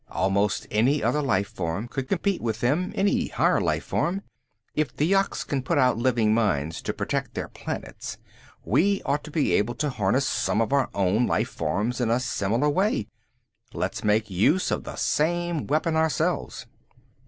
Almost any other life form could compete with them, any higher life form. If the yuks can put out living mines to protect their planets, we ought to be able to harness some of our own life forms in a similar way. Let's make use of the same weapon ourselves."